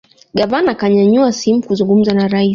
gavana akanyanyua simu kuzungumza na raisi